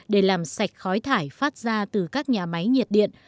để làm sạch khói thải phát ra từ các nhà máy nhiệt điện